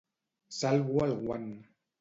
Salvo el guant.